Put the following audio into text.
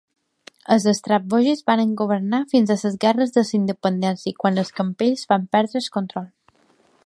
Els Strathbogies van governar fins a les Guerres de la Independència, quan els Campells van prendre el control.